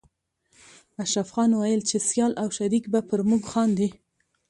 اشرف خان ويل چې سيال او شريک به پر موږ خاندي